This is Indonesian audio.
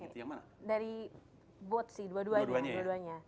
dari buat sih dua duanya